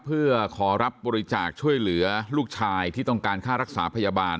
เพื่อขอรับบริจาคช่วยเหลือลูกชายที่ต้องการค่ารักษาพยาบาล